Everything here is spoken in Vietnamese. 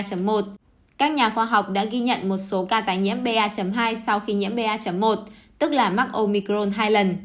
các nhà khoa học đã ghi nhận một số ca tái nhiễm ba hai sau khi nhiễm ba một tức là mắc omicron hai lần